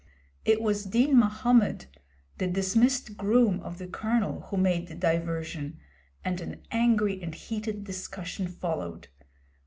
It was Din Mahommed, the dismissed groom of the Colonel, who made the diversion, and an angry and heated discussion followed.